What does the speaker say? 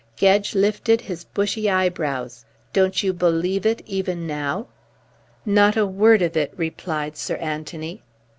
Gedge lifted his bushy eyebrows. "Don't you believe it even now?" "Not a word of it," replied Sir Anthony.